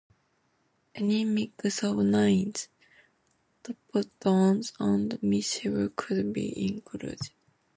Any mix of mines, torpedoes, and missiles could be included.